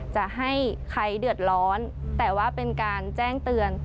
จะให้ใครเดือดร้อนแต่ว่าเป็นการแจ้งเตือน